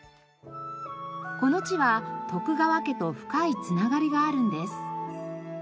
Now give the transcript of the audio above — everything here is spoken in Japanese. この地は徳川家と深い繋がりがあるんです。